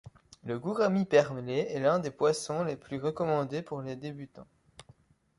Le gourami perlé est l'un des poissons les plus recommandés pour les débutants.